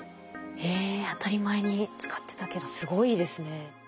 当たり前に使ってたけどすごいですね。